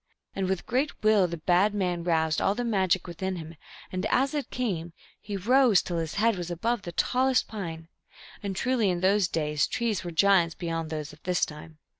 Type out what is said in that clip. And with great will the bad man roused all the magic within him, and as it came, he rose till his head was above the tallest pine ; and truly in those days trees were giants beyond those of this time.